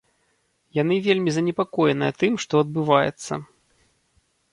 Яны вельмі занепакоены тым, што адбываецца.